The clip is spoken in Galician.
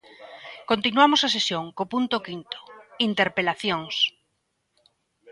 Continuamos a sesión, co punto quinto, interpelacións.